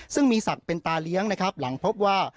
ซึ่งมีศักดิ์เป็นตาเลี้ยงนะครับหลังพบว่า